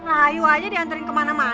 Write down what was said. rahayu aja diantarin kemana mana